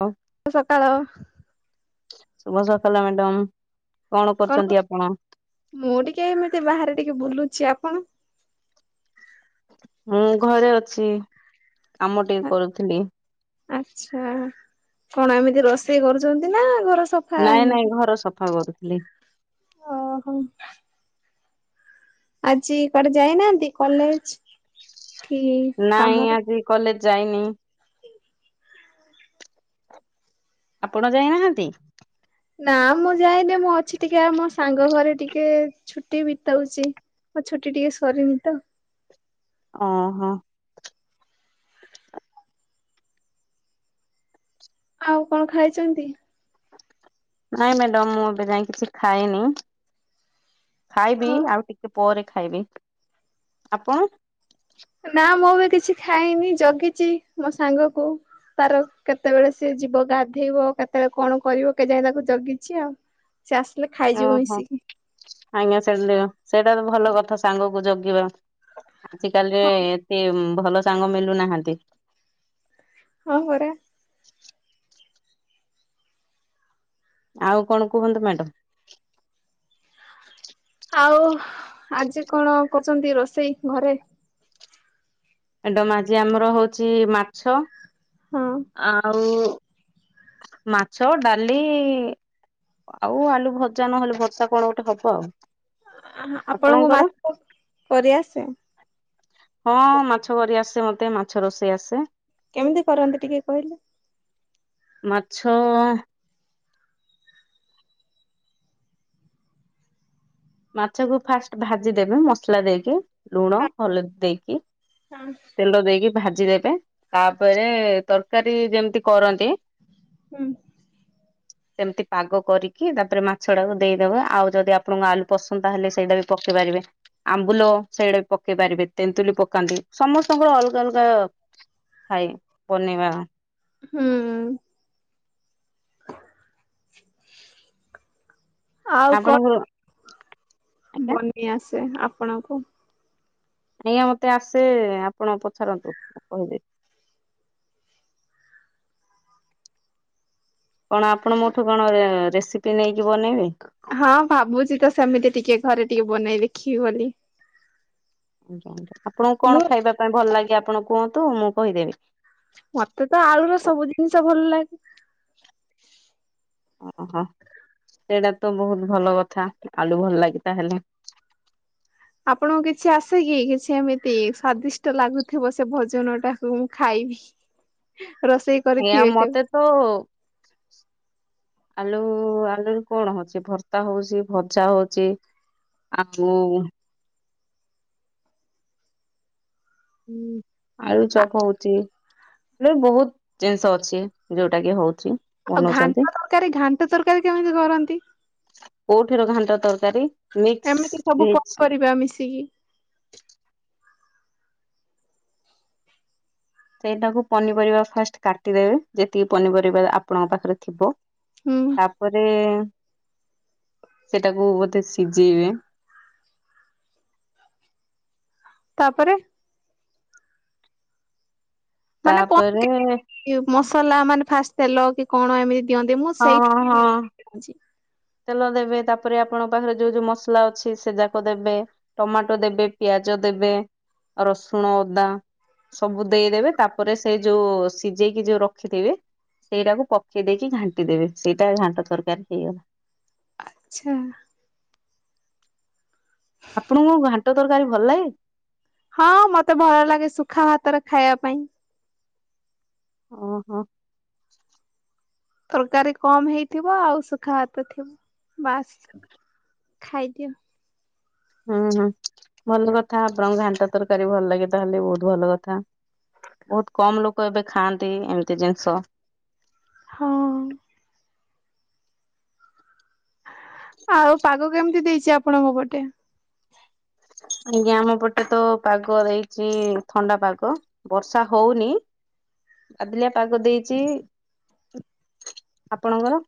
ହ [inaudible] ସକାଳ ଶୁଭ ସକାଳ ମ୍ୟାଡାମ, କଣ କରୁଛନ୍ତି ଆପଣ? ମୁଁ ଟିକେ ଏମିତି ବାହାରେ ଟିକେ ବୁଲୁଛି, ଆପଣ? ମୁଁ ଘରେ ଅଛି କାମ ଟିକେ କରୁଥିଲି। ଆଚ୍ଛା କଣ ଏମିତି ରୋଷେଇ କରୁଛନ୍ତି ନା ଘର ସ ନାଇଁ ନାଇଁ ଘର ସଫା କରୁଥିଲି। ଓହୋ ଆଜି କୁଆଡେ ଯାଇନାହାନ୍ତି କଲେଜ? କି ନାଇଁ କାମରେ? ଆଜି କଲେଜ ଯାଇନି। ଆପଣ ଯାଇନାହାନ୍ତି? ନା ମୁଁ ଯାଇନି ମୁଁ ଅଛି ଟିକେ ମୋ ସାଙ୍ଗ ଘରେ ଟିକେ ଛୁଟି ବିତଉଛି। ମୋ ଛୁଟି ଟିକେ ସରିନି ତ। ଓହୋ ଆଉ କଣ ଖାଇଛନ୍ତି? ନାଇଁ ମ୍ୟାଡ଼ାମ ମୁଁ ଏବେ ଯାଇ କିଛି ଖାଏନି। ଖାଇବି ହଁ ଆଉ ଟିକେ ପରେ ଖାଇବି, ଆପଣ? ନା ମୁଁ ବି କିଛି ଖାଇନି ଜଗିଛି ମୋ ସାଙ୍ଗ କୁ। ତାର କେତେବେଳେ ସିଏ ଯିବ ଗାଧେଇବ କେତେବେଳେ କଣ କରିବ କେ ଯାଏ ତାକୁ ଜଗିଛି ଆଉ। ସେ ଆସ ଓହୋ ଆଜ୍ଞା ସେଠ ସେଇଟା ତ ଭଲ କଥା ସାଙ୍ଗକୁ ଜଗିବା। ଆଜ କାଲିରେ ଏତେ ଭଲ ସାଙ୍ଗ ମଲୁନାହାନ୍ତି। ହଁ ପରା ଆଉ କଣ କୁହନ୍ତୁ ମ୍ୟାଡାମ? ଆଉ ଆଜି କଣ କରୁଛନ୍ତି ରୋଷେଇ ଘରେ? ଏଡମ ଆଜି ଆମର ହଉଛି ମାଛ ହଁ ଆଉ ମାଛ ଡାଲି ଆଉ ଆଲୁ ଭଜା ନହେଲେ ଭଷା କଣ ଗୋଟେ ହବ ଆଉ। ଆପଣଙ୍କୁ ଆପଣଙ୍କର? ମାଛ କରିଆସେ? ହଁ ମାଛ କରି ଆସେ ମତେ ମାଛ ରୋଷେଇ ଆସେ। କେମିତି କରନ୍ତି ଟିକେ କହିଲେ? ମାଛ ମାଛକୁ ଫାଷ୍ଟ ଭାଜିଦବି ମସଲା ଦେଇକି ଲୁଣ ହଳଦୀ ଦେଇକି। ହଁ ତେଲ ଦେଇକି ଭାଜିଦେବେ ତାପରେ ତରକାରୀ ଯେମିତି କରନ୍ତି ହୁଁ ସେମିତି ପାଗ କରିକି ତାପରେ ମାଛ ଟାକୁ ଦେଇଦବା ଆଉ ଯଦି ଆପଣଙ୍କ ଆଲୁ ପସନ୍ଦ ତାହେଲେ ସେଇଟା ବି ପକେଇ ପାରିବେ ଆମ୍ବୁଲ ସେଇଡେ ପକେଇ ପାରିବେ ତେନ୍ତୁଲି ପକାନ୍ତି। ସମସ୍ତଙ୍କର ଅଲଗା ଅଲଗା ଥାଏ ବନେଇବା ହୁଁ ଆଉ ଆପଣଙ୍କର କଣ? ଆଜ୍ଞା ବନି ଆସେ ଆପଣଙ୍କୁ? [inaudible] ମତେ ଆସେ ଆପଣ ପଚାରନ୍ତୁ କହିଦେବି। କଣ ଆପଣ ମୋଠୁ କଣ ରେସିପି ନେଇକି ବନେଇବେ? ହଁ ଭାବୁଛି ତ ସେମିତି ଟିକେ ଘରେ ଟିକେ ବନେଇ ଦେଖିବି ବୋଲି। ଆପଣଙ୍କୁ କଣ ମୁଁ ଖାଇବା ପାଇଁ ଭଲ ଲାଗେ ଆପଣ କୁହନ୍ତୁ? ମୁଁ କହିଦେବି। ମତେ ତ ଆଳୁର ସବୁ ଜିନିଷ ଭଲ ଲାଗେ। ଓହୋ। ସେଇଟା ତ ବହୁତ ଭଲ କଥା। ଆଳୁ ଭଲ ଲାଗି ତାହେଲେ। ଆପଣଙ୍କୁ କିଛି ଆସେ କିି କିଛି ଏମିତି ସ୍ଵାଦିଷ୍ଟ ଲାଗୁଥିବ ସେ ଭୋଜନ ଟାକୁ ମୁଁ ଖାଇବି। ରୋଷେଇ ଏଆ କରିଥିବେ କେବେ ମତେ ତ ଆଳୁ ଆଳୁରୁ କଣ ହଉଛି? ଭର୍ତ୍ତା ହଉଛି, ଭଜା ହଉଛି। [inaudible] ହୁଁ, ଆଳୁ ଚପ ହଉଛି। ଏ ବହୁତ ଜିନିଷ ଅଛି ଯୋଉଟା କି ହଉଛି। ଆଉ ବନଉଛନ୍ତି ଘାଣ୍ଟ ତରକାରୀ, ଘାଣ୍ଟ ତରକାରୀ କେମିତି କରନ୍ତି? କୋଉଠି ର ଘାଣ୍ଟ ତରକାରୀ? ମିକ୍ସ ଭେଜ ପରିବା ମିଶିକି। ସେଇଟାକୁ ପନିପରିବା ଫାଷ୍ଟ କାଟିଦେବେ। ଯେତିକି ପନିପରିବା ଆପଣଙ୍କ ପାଖରେ ଥିବ। ହୁଁ ତାପରେ ସେଟାକୁ ବୋଧେ ସିଝେଇବେ। ତାପରେ? ମାନେ କଣ ତାପରେ [inaudible] ମସଲା ମାନେ ଫାଷ୍ଟ ତେଲ କି କଣ ଏମିତି? ଦିଅନ୍ତି ମୁଁ ହଁ ସେଇଠୁ ହଁ [inaudible] ତେଲ ଦେବେ ତାପରେ ଆପଣଙ୍କ ପାଖରେ ଯୋଉ ଯୋଉ ମସଲା ଅଛି ସେ ଯାକ ଦେବେ ଟମାଟୋ ଦେବେ, ପିଆଜ ଦେବେ, ରସୁଣ ଅଦା ସବୁ ଦେଇଦେବେ ତାପରେ ସେ ଯୋଉ ସିଝେଇକି ଯୋଉ ରଖିଥିବେ ସେଇଟାକୁ ପକେଇ ଦେଇକି ଘାଣ୍ଟି ଦେବେ। ସେଇଟା ଘାଣ୍ଟ ତରକାର ହେଇଗଲା। ଆଛା ଆପଣଙ୍କୁ ଘାଣ୍ଟ ତରକାରୀ ଭଲ ଲାଗେ? ହଁ ମତେ ଭଲ ଲାଗେ ସୁଖା ଭାତରେ ଖାଇବା ପାଇଁ। ଓହୋ ତରକାରୀ କମ ହେଇଥିବ। ଆଉ ସୁଖା ହାତ ଥିବ। ବାସ୍ ଖାଇଦିଏ। ହୁଁ ହୁଁ। ଭଲ କଥା। ଆପଣଙ୍କୁ ଘାଣ୍ଟା ତରକାରୀ ଭଲ ଲାଗେ ତାହେଲେ ବହୁତ ଭଲ କଥା। ବହୁତ କମ ଲୋକ ଏବେ ଖାଆନ୍ତି ଏମିତି ଜିନିଷ। ହଁ ଆଉ ପାଗ କେମିତି ଦେଇଛି ଆପଣଙ୍କ ପଟେ? ଆଜ୍ଞା, ଆମ ପଟେ ତ ପାଗ ଦେଇଛି ଥଣ୍ଡା ପାଗ। ବର୍ଷା ହଉନି, ବାଦଲିଆ ପାଗ ଦେଇଛି। ଆପଣଙ୍କର?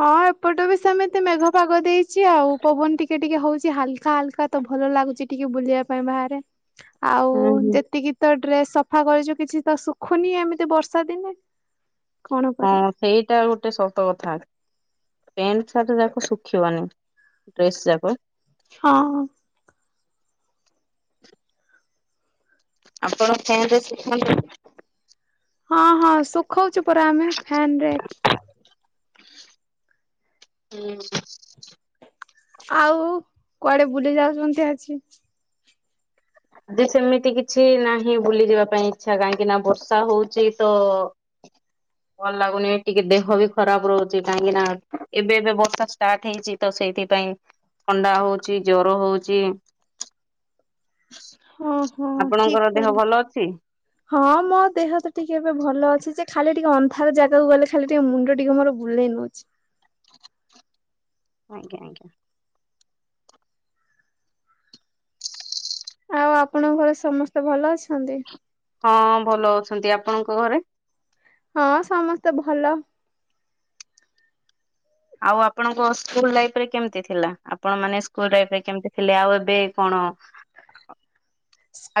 ହଁ ଏପଟେ ବି ସେମିତି ମେଘ ପାଗ ଦେଇଛି ଆଉ। ପବନ ଟିକେ ଟିକେ ହଉଛି ହାଲକା ହାଲକା। ତ ଭଲ ଲାଗୁଛି ଟିକେ ବୁଲିବା ପାଇଁ ବାହାରେ। ଆଉ ହୁଁ ହୁଁ। ଯେତିକି ତ ଡ୍ରେସ ସଫା କରିଛୁ କିଛି ତ ଶୁଖୁନି ଏମିତି ବର୍ଷା ଦିନେ। କଣ କରିବା ହଁ ସେଇଟା ଗୋଟେ ସତ କଥା। ପେଣ୍ଟ, ସାର୍ଟ ଯାକ ଶୁଖିବନି ଡ୍ରେସ୍ ଯାକ। ହଁ। ଆପଣ ଫ୍ୟାନ୍ ରେ ଶିଖାନ୍ତୁ। ହଁ ହଁ, ଶୁଖୋଉଚୁ ପରା ଆମେ ଫ୍ୟାନ ରେ। ହୁଁ। ଆଉ କୁଆଡେ ବୁଲି ଯାଉଚନ୍ତି ଆଜି? ଆଜି ସେମିତି କିଛି ନାହିଁ ବୁଲି ଯିବା ପାଇଁ ଇଛା, କାହିଁକି ନା ବର୍ଷା ହଉଚି ତ [unintelligible] ଭଲ ଲାଗୁନି, ଟିକେ ଦେହ ବି ଖରାପ ରହୁଛି କାହିଁକି ନା, ଏବେ ଏବେ ବର୍ଷା ଷ୍ଟାର୍ଟ ହେଇଛି ତ ସେଇଥିପାଇଁ। ଥଣ୍ଡା ହଉଚି, ଜର ହଉଚି। ହଁ ହଁ, ଠିକ୍ ଆପଣଙ୍କର ଦେହ କହିଲେ। ଭଲ ଅଛି? ହଁ ମୋ ଦେହ ତ ଟିକେ ଏବେ ଭଲ ଅଛି ଯେ, ଖାଲି ଟିକେ ଅନ୍ଧାର ଜାଗାକୁ ଗଲେ ଖାଲି ଟିକେ ମୁଣ୍ଡ ଟିକେ ମୋର ବୁଲେଇ ନଉଚି। ଆଜ୍ଞା ଆଜ୍ଞା। ଆଉ ଆପଣଙ୍କ ଘରେ ସମସ୍ତେ ଭଲ ଅଛନ୍ତି? ହଁ ଭଲ ଅଛନ୍ତି, ଆପଣଙ୍କ ଘରେ? ହଁ, ସମସ୍ତେ ଭଲ। ଆଉ ଆପଣଙ୍କ ସ୍କୁଲ ଲାଇଫ ରେ କେମିତି ଥିଲା, ଆପଣ ମାନେ ସ୍କୁଲ ରେ ଏବେ କେମିତି ଥିଲେ, ଆଉ ଏବେ କଣ?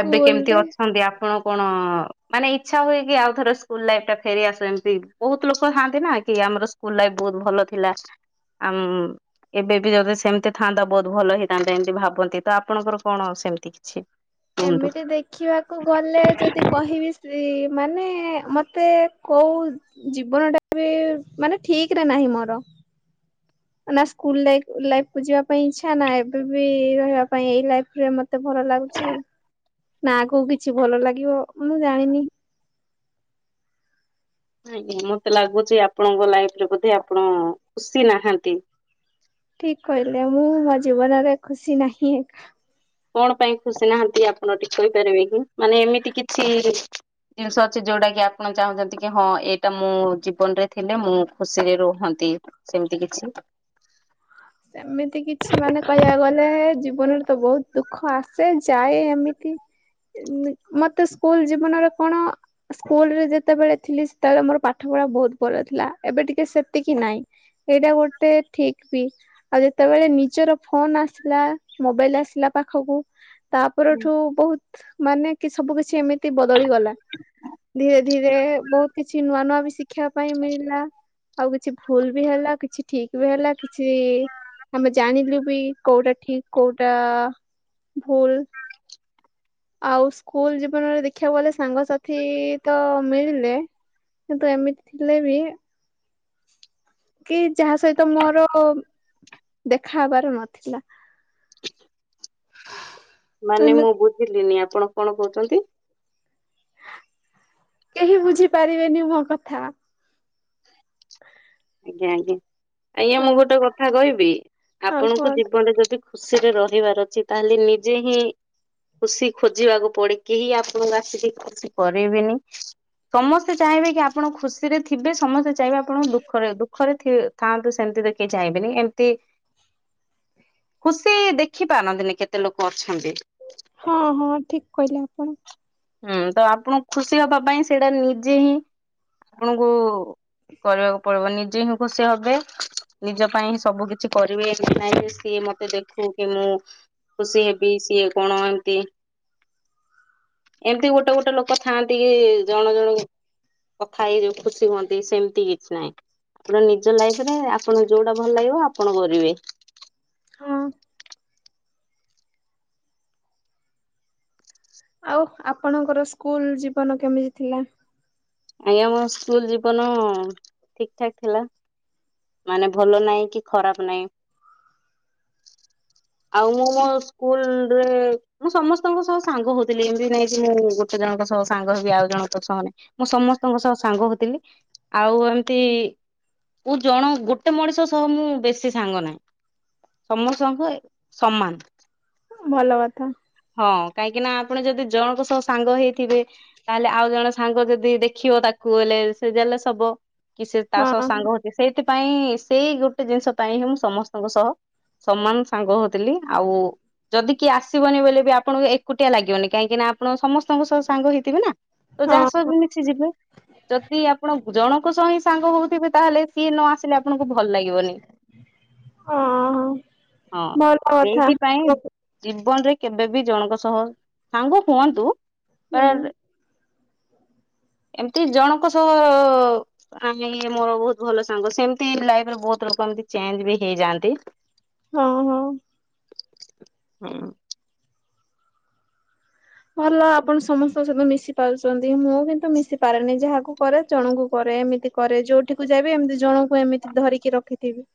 ଏବେ କେମିତି ଅଛନ୍ତି? ଆପଣ କଣ ମାନେ ଇଛା ହୁଏ କି, ଆଉଥର ସ୍କୁଲ ଲାଇଫ ଟା ଫେରିଆସୁ ଏମତି, ବହୁତ ଲୋକ ଥାଆନ୍ତି ନା କି ଆମର ସ୍କୁ ସ୍କୁଲ ଲାଇଫ ବହୁତ ଭଲ ଥିଲା, ଆମ୍ ଏବେ ବି ଯଦି ସେମିତି ଥାନ୍ତା, ବହୁତ ଭଲ ହେଇଥାନ୍ତା, ଏମିତି ଭାବନ୍ତି, ତ ଆପଣଙ୍କର କଣ ସେମିତି କିଛି? କୁହନ୍ତୁ? ଏମିତି ଦେଖି ଦେଖିବାକୁ ଗଲେ ଯଦି କହିବି ସେ ମାନେ ମତେ କଉ ଜୀବନ ଟା ବି ମାନେ ଠିକ ରେ ନାହିଁ ମୋର। ନା ସ୍କୁଲ ଲାଇ ଲାଇଫ କୁ ଯିବା ପାଇଁ ଇଛା, ନା ଏବେ ବି ରହିବା ପାଇଁ ଏଇ ଲାଇଫରେ ମ ଏତେ ଭଲ ଲାଗୁଚି, ନା ଆଗକୁ କିଛି ଭଲ ଲାଗିବ, ମୁଁ ଜାଣିନି। ଆଜ୍ଞା, ମତେ ଲାଗୁଚି ଆପଣଙ୍କ ଲାଇଫରେ ବୋଧେ ଆପଣ ଖୁସି ନାହାନ୍ତି? ଠିକ କହିଲେ, ମୁଁ ମୋ ଜୀବନରେ ଖୁସି ନାହିଁ। କଣ ପାଇଁ ଖୁସି ନାହାନ୍ତି ଆପଣ ଟିକେ କହିପାରିବେ କି? ମାନେ ଏମିତି କିଛି ଜିନିଷ ଅଛି ଯୋଉଟା କି ଆପଣ ଚାହୁଁଛନ୍ତି କି, ହଁ ଏଇଟା ମୁଁ ଜୀବନ ରେ ଥିଲେ ମୁଁ ଖୁସିରେ ରୁହନ୍ତି। ସେମିତି କିଛି ସେମିତି କିଛି ମାନେ କହିବାକୁ ଗଲେ, ଜୀବନରେ ତ ବହୁତ ଦୁଃଖ ଆସେ ଯାଏ ଏମିତି ମତେ ସ୍କୁଲ ଜୀବନରେ କଣ ସ୍କୁଲ ରେ ଯେତେବେଳେ ଥିଲି ସେତେବେଳେ ମୋର ପାଠ ପଢା ବହୁତ ଭଲ ଥିଲା, ଏବେ ଟିକେ ସେତିକି ନାହିଁ। ସେଇଟା ଗୋଟେ ଠିକ୍ ବି। ଆଉ ଯେତେବେଳେ ନିଜର ଫୋନ ଆସିଲା, ମୋବାଇଲ ଆସିଲା ପାଖକୁ ତାପରଠୁ ବହୁତ ମାନେ କି ସବୁ କିଛି ଏମିତି ବଦଳିଗଲା। ଧୀରେ ଧୀରେ ବହୁତ କିଛି ନୂଆ ନୂଆ ବି ଶିଖିବା ପାଇଁ ମିଳିଲା। ଆଉ କିଛି ଭୁଲ ବି ହେଲା, କିଛି ଠିକ ବି ହେଲା, କିଛି ହେଲେ ବି କୋଉଟା ଠିକ୍, କୋଉଟା ଭୁଲ୍ ଆଉ ସ୍କୁଲ ଜୀବନରେ ଦେଖିବାକୁ ଗଲେ ସାଙ୍ଗସାଥି ତ ମିଳିଲେ, କିନ୍ତୁ ଏମିତି ଥିଲେ ବି [unintelligible] କି ଯାହା ସହିତ ମୋର ଦେଖା ହବାର ନଥିଲା। ମାନେ ଆମେ ମୁଁ ବୁଝିଲିନି, ଆପଣ କଣ କହୁଚନ୍ତି? କେହି ବୁଝିପାରିବେନି ମୋ କଥା। ଆଜ୍ଞା ଆଜ୍ଞା ଆଜ୍ଞା ମୁଁ ହଁ ଗୋଟେ କଥା କହିବି ହଁ ଆପଣଙ୍କୁ କୁହନ୍ତୁ। ଜୀବନରେ ଯଦି ଖୁସିରେ ରହିବାର ଅଛି ତାହେଲେ ନିଜେ ହିଁ ଖୁସି ଖୋଜିବାକୁ ପଡ଼େ କେହି ଆପଣଙ୍କୁ ଆସିକି ଖୁସି କରେଇବେନି। ସମସ୍ତେ ଚାହିଁବେ କି ଆପଣ ଖୁସିରେ ଥିବେ ସମସ୍ତେ ଚାହିଁବେ ଆପଣଙ୍କ ଦୁଃଖ ଦୁଖ ଦୁଖରେ ଥାଆନ୍ତୁ ସେମିତି ତ କେହି ଯାଇବେନି ଏମିତି ଖୁସି ଦେଖି ପାରନ୍ତିନି କେତେ ଲୋକ ଅଛନ୍ତି। ହଁ ହଁ ଠିକ କହିଲେ ଆପଣ। ହୁଁ ତ ଆପଣ ଖୁସି ହବା ପାଇଁ ସେଇଟା ନିଜେ ହିଁ ଆପଣଙ୍କୁ କରିବାକୁ ପଡିବ ନିଜେ ହିଁ ଖୁସି ହବେ ନିଜ ପାଇଁ ହିଁ ସବୁ କିଛି କରିବେ କିନାଇଁ ସିଏ ମ ସିଏ ଦେଖୁ କି ମୁଁ ଖୁସି ହେବି ସିଏ କଣ ଏମତି ଏମତି ଗୋଟେ ଗୋଟେ ଲୋକ ଥାଆନ୍ତି କି ଜଣେ ଜଣ କଥା ହେଇଯୋଉ ଖୁସି ହୁଅନ୍ତି ସେମିତି କିଛି ନାଇଁ। ଆପଣ ନିଜ ଲାଇଫ ରେ ଆପଣଙ୍କୁ ଯୋଉଟା ଭଲ ଲାଗିବ ଆପଣ କରିବେ। ହଁ ଆଉ ଆପଣଙ୍କର ସ୍କୁଲ ଜୀବନ କେମିତି ଥିଲା? ଆଜ୍ଞା ମୋ ସ୍କୁଲ ଜୀବନ ଠିକ ଠାକ ଥିଲା। ମାନେ ଭଲ ନାଇଁ କି ଖରାପ ନାଇଁ। ଆଉ ମୁଁ ମୋ ସ୍କୁଲ ରେ ମୁଁ ସମସ୍ତଙ୍କ ସହ ସାଙ୍ଗ ହଉଥିଲି ଏମିତି ନାଇଁ କି ମୁଁ ଗୋଟେ ଜଣଙ୍କ ସହ ସାଙ୍ଗ ହେବି ଆଉ ଜଣଙ୍କ ସହ ନାହିଁ। ମୁଁ ସମସ୍ତଙ୍କ ସହ ସାଙ୍ଗ ହଉଥିଲି ଆଉ ଏମିତି ମୁଁ ଜଣ ଗୋଟେ ମଣିଷ ସହ ମୁଁ ବେଶୀ ସାଙ୍ଗ ନାହିଁ, ସମସ୍ତଙ୍କ ସମାନ। ଭଲ କଥା। ହଁ କାହିଁକି ନା ଆପଣ ଯଦି ଜଣଙ୍କ ସହ ସାଙ୍ଗ ହେଇଥିବେ ତାହେଲେ ଆଉ ଜଣେ ସାଙ୍ଗ ଯଦି ଦେଖିବ ତାକୁ ହେଲେ ସେ ଜେଲସ ହବ କି ସେ ତା ସହ ହଁ ସାଙ୍ଗ ସେଇଥିପାଇଁ ସେଇ ଗୋଟେ ଜିନିଷ ପାଇଁ ହିଁ ମୁଁ ସମସ୍ତଙ୍କ ସହ ସମାନ ସାଙ୍ଗ ହଉଥିଲି ଆଉ ଯଦି କିଏ ଆସିବନି ବୋଲି ବି ଆପଣଙ୍କୁ ଏକୁଟିଆ ଲାଗିବନି କାହିଁକି ନା ଆପଣ ସମସ୍ତଙ୍କ ସହ ସାଙ୍ଗ ହେଇଥିବେ ନା। ତ ଯାହା ହଁ ସହ ବି ମିଶି ଯିବେ। ଯଦି ଆପଣ ଜଣଙ୍କ ସହ ହିଁ ସାଙ୍ଗ ହଉଥିବେ ତାହେଲେ ସିଏ ନ ଆସିଲେ ଆପଣଙ୍କୁ ଭଲ ଲାଗିବନି। ହଁ ହଁ ହଁ ଭଲ କଥା ସେଇଥିପାଇଁ ଜୀବନରେ କେବେ ବିି ଜଣଙ୍କ ସହ ସାଙ୍ଗ ହୁଅନ୍ତୁ, ହୁଁ। ପର ଏମିତି ଜଣଙ୍କ ସହ ଆନି ମୋର ବହୁତ ଭଲ ସାଙ୍ଗ ସେମତି ଲାଇଫ ରେ ବହୁତ ଲୋକ ଏମତି ଚେଞ୍ଜ ବି ହେଇଯାଆନ୍ତି। [inaudible] ହଁ ହଁ। ହୁଁ। ଭଲ ଆପଣ ସମସ୍ତଙ୍କ ସହିତ ମିଶି ପାରୁଛନ୍ତି ମୁଁ କିନ୍ତୁ ମିଶି ପାରେନି ଯାହାକୁ କରେ ଜଣଙ୍କୁ କରେ, ଏମିତି କରେ ଯୋଉଠିକୁ ଯାଏ ବି ଏମିତି ଜଣଙ୍କୁ ଏମିତି ଧରିକି ରଖିଥିବି।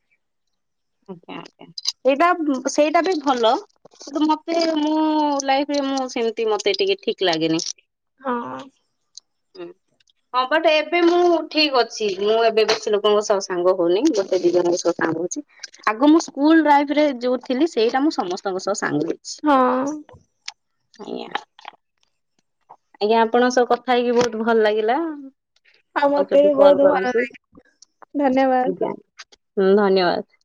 ଆଜ୍ଞା ଆଜ୍ଞା, ସେଇଟା ସେଇଟା ବି ଭଲ। କିନ୍ତୁ ମତେ ମୁଁ ଲାଇଫରେ ମୁଁ ସେମତି ମତେ ଟିକେ ଠିକ ଲାଗେନି। ହଁ। ହୁଁ। ହଁ ବଟ୍ ଏବେ ମୁଁ ଠିକ ଅଛି, ମୁଁ ଏବେ ବେଶୀ ଲୋକଙ୍କ ସହ ସାଙ୍ଗ ହଉନି ଗୋଟେ ଦି ଜଣଙ୍କ ସହ ସାଙ୍ଗ ହଉଛି। ଆଗ ମୁଁ ସ୍କୁଲ ଲାଇଫ ରେ ଯୋଉ ଥିଲି ସେଇଟା ମୁଁ ସମସ୍ତଙ୍କ ସହ ସାଙ୍ଗ ହୁଏ। ହଁ। ଆଜ୍ଞା। ଆଜ୍ଞା ଆପଣଙ୍କ ସହ କଥା ହେଇକି ବହୁତ ଭଲ ଲାଗିଲା। ଆଉ ମତେ କେବେ ବି କଲ ବହୁତ ଭଲ ଲାଗେ। କରନ୍ତୁ ଧନ୍ୟବାଦ। ହୁଁ ଧନ୍ୟବାଦ।